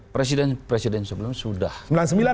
presiden presiden sebelumnya sudah